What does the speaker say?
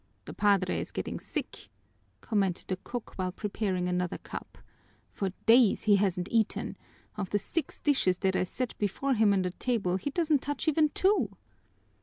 "The padre is getting sick," commented the cook while preparing another cup. "For days he hasn't eaten; of the six dishes that I set before him on the table he doesn't touch even two."